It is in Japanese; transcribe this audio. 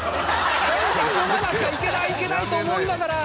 台本読まなきゃいけないいけないと思いながら。